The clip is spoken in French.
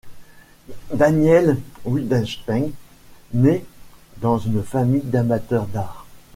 Daniel Wildenstein naît dans une famille d'amateurs d'art.